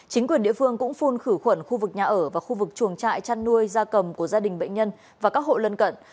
chính quyền địa phương cũng phun khử khuẩn khu vực nhà ở và khu vực chuồng trại chăn nuôi da cầm của gia đình bệnh nhân và các hộ lân cận